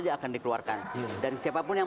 aja akan dikeluarkan dan siapapun yang